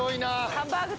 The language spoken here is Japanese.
ハンバーグ。